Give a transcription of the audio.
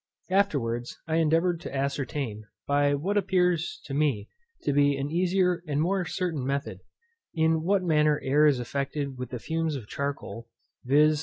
Afterwards, I endeavoured to ascertain, by what appears to me to be an easier and more certain method, in what manner air is affected with the fumes of charcoal, viz.